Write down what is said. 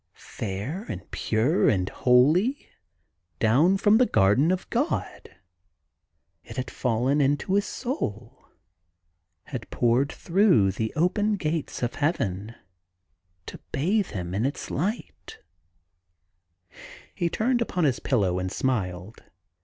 Fair, and pure, and holy — down from the garden of CJod — it had fallen into his soul, had poured through the open gates of Heaven, to bathe him in its light He turned upon his pillow and smiled.